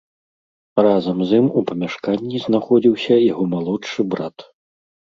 Разам з ім у памяшканні знаходзіўся яго малодшы брат.